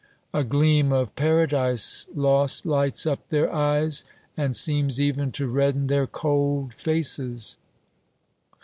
A gleam of Paradise lost lights up their eyes and seems even to redden their cold faces.